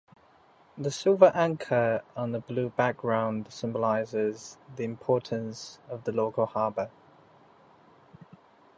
The silver anchor on a blue background symbolizes the importance of the local harbor.